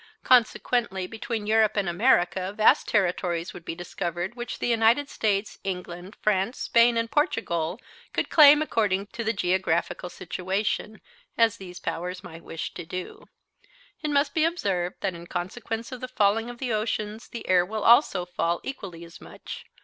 Consequently between Europe and America vast territories would be discovered which the United States, England, France, Spain, and Portugal could claim according to the geographical situation, as these powers might wish to do. It must be observed that in consequence of the falling of the oceans the air will also fall equally as much.